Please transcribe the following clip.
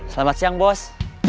selamat siang bos